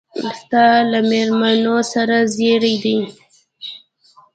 ستا له مېلمنو سره زېري دي.